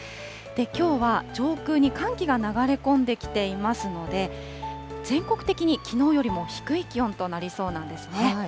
きょうは上空に寒気が流れ込んできていますので、全国的にきのうよりも低い気温となりそうなんですね。